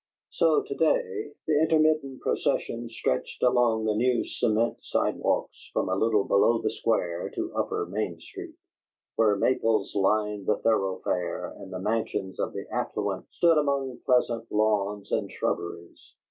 So, to day, the intermittent procession stretched along the new cement side walks from a little below the Square to Upper Main Street, where maples lined the thoroughfare and the mansions of the affluent stood among pleasant lawns and shrubberies.